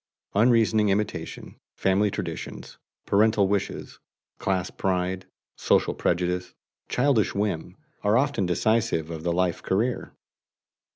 Unreasoning imitation, family traditions, parental wishes, class pride, social prejudice, childish whim, are often decisive of the life career.